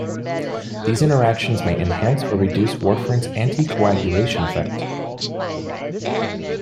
These interactions may enhance or reduce warfarin's anticoagulation effect.